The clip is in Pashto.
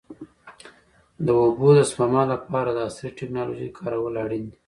د اوبو د سپما لپاره عصري ټکنالوژي کارول اړین دي.